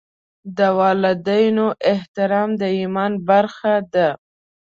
د والدینو احترام د ایمان برخه ده.